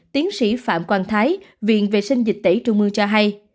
tiến sĩ phạm quang thái viện vệ sinh dịch tễ trung mương cho hay